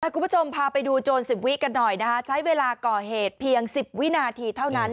คุณผู้ชมพาไปดูโจร๑๐วิกันหน่อยนะคะใช้เวลาก่อเหตุเพียง๑๐วินาทีเท่านั้น